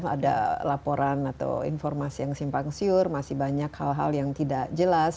ada laporan atau informasi yang simpang siur masih banyak hal hal yang tidak jelas